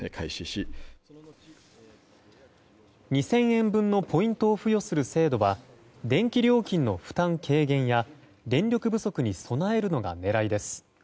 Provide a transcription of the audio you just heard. ２０００円分のポイントを付与する制度は電気料金の負担軽減や電力不足に備えるのが狙いです。